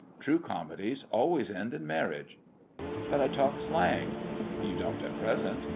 True comedies always end in oarriage." " But I talk slang." " You don't at present."